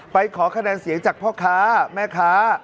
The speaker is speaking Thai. ขอคะแนนเสียงจากพ่อค้าแม่ค้า